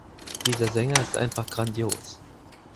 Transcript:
Dieser Sänger ist einfach grandios.